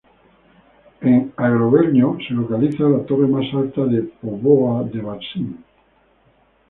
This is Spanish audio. En Agro-Velho se localiza la torre más alta de Póvoa de Varzim.